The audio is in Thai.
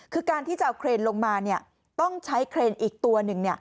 คือการที่จะเอาเครนลงมาต้องใช้เครนอีกตัวหนึ่ง